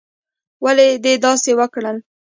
ولې دې داسې وکړل؟